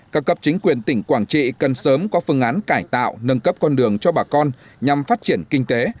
các cấp chính quyền tỉnh quảng trị cần sớm có phương án cải tạo nâng cấp con đường cho bà con nhằm phát triển kinh tế